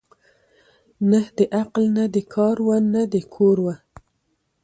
نه د عقل نه د کار وه نه د کور وه